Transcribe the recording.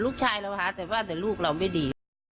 ลูกชายเราหาแต่ว่าแต่ลูกเราไม่ดี